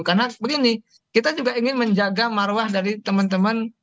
karena begini kita juga ingin menjaga marwah dari teman teman